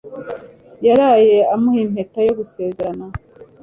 Yaraye amuha impeta yo gusezerana.